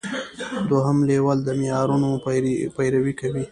دوهم لیول د معیارونو پیروي کوي.